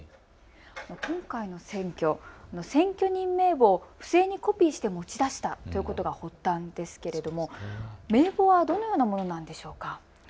今回の選挙、選挙人名簿を不正にコピーして持ち出したということが発端ですけれども名簿はどのようなものなのでしょうか。